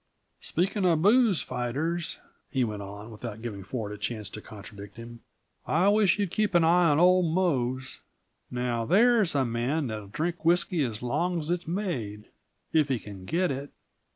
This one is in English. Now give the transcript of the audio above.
"Speaking of booze fighters," he went on, without giving Ford a chance to contradict him, "I wish you'd keep an eye on old Mose. Now, there's a man that'll drink whisky as long as it's made, if he can get it.